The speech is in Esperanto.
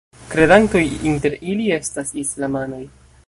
Kredantoj inter ili estas islamanoj.